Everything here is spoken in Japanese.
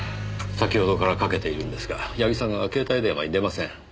先ほどからかけているんですが矢木さんが携帯電話に出ません。